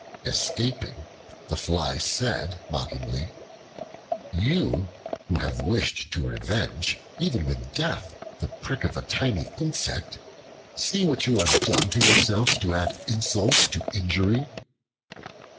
Escaping, the Fly said mockingly, "You who have wished to revenge, even with death, the Prick of a tiny insect, see what you have done to yourself to add insult to injury?"